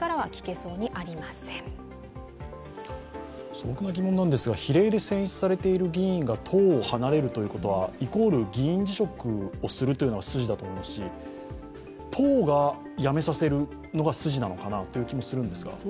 素朴な疑問なんですが、比例で選出されている議員が党を離れるということはイコール議員辞職をするのが筋だし、党がやめさせるのが筋なのかなという気がするんですが。